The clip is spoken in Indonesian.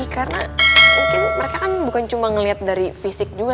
karena mungkin mereka kan bukan cuma ngeliat dari fisik juga